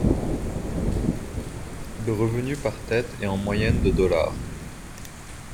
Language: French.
Le revenu par tête est en moyenne de $.